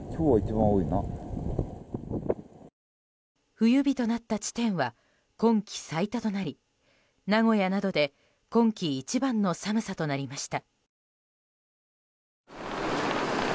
冬日となった地点は今季最多となり名古屋などで今季一番の寒さとなりました。